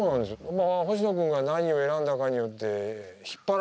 まあ星野君が何を選んだかによって引っ張られるわけよ。